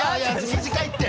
短いって！